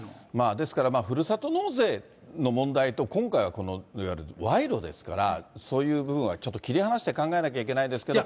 ですから、ふるさと納税の問題と、今回はこのいわゆる賄賂ですから、そういう部分は、ちょっと切り離して考えなきゃいけないですけれども。